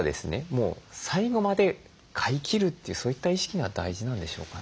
もう最後まで飼いきるというそういった意識が大事なんでしょうかね。